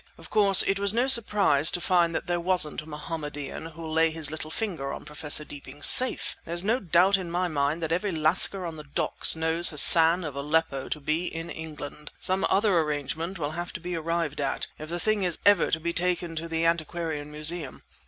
"Of course it was no surprise to find that there isn't a Mohammedan who'll lay his little finger on Professor Deeping's safe! There's no doubt in my mind that every lascar at the docks knows Hassan of Aleppo to be in England. Some other arrangement will have to be arrived at, if the thing is ever to be taken to the Antiquarian Museum.